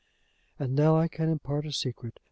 "And now I can impart a secret.